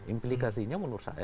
implikasinya menurut saya